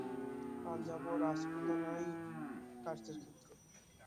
পাঞ্জাব ও রাজপুতানাই কার্যের ক্ষেত্র।